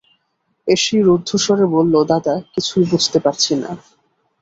এসেই রুদ্ধস্বরে বললে, দাদা, কিছুই বুঝতে পারছি নে।